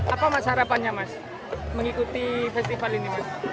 apa mas harapannya mas mengikuti festival ini mas